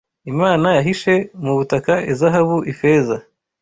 Imana yahishe mu butaka izahabu ifeza